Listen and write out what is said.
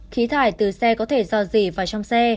khí thải từ xe có thể do gì vào trong xe